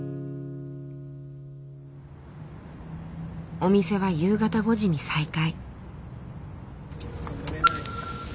お店は夕方５時に再開。